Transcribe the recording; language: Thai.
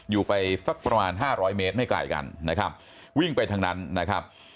อยู่ไปสักประมาณห้าร้อยเมตรไม่ไกลกันนะครับวิ่งไปทางนั้นนะครับ